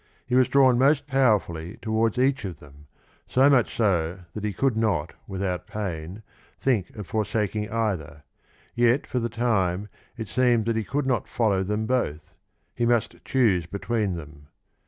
He was drawn most powerfully towards each of them, so much so that he could not without pain think of forsaking either; yet for the time it seemed that he could not follow them both ; he must choose between them.